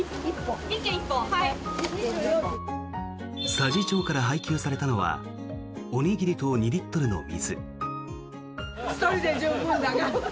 佐治町から配給されたのはおにぎりと２リットルの水。